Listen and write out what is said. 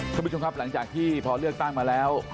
สวัสดีคุณครับหลังจากที่พอเลือกตั้งมาแล้ว